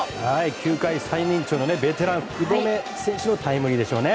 球界最年長のベテラン福留選手のタイムリーでしょう。